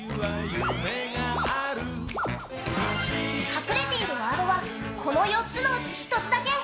隠れているワードはこの４つのうち１つだけ。